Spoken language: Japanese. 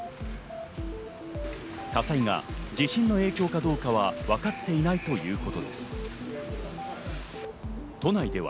火災が地震の影響かどうかは分かっていないということです。